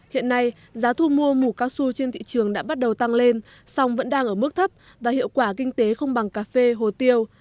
hiện nay giá thu mua mũ cao su trên thị trường đã bắt đầu tăng lên song vẫn đang ở mức thấp và hiệu quả kinh tế không bằng cà phê hồ tiêu